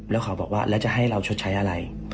แล้วเขาบอกว่าแล้วจะให้เราชดใช้อะไร